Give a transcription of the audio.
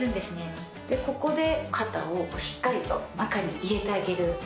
ここで肩をしっかりと中に入れてあげる。